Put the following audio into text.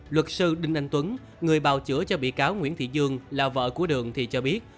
luật sư đinh anh tuấn người bào chữa cho bị cáo nguyễn thị dương là vợ của đường thì cho biết